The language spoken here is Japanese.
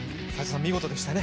見事でしたね。